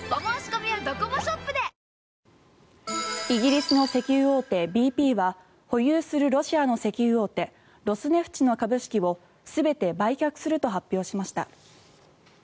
イギリスの石油大手ＢＰは保有するロシアの石油大手ロスネフチ株の株式を全て売却すると発表しました。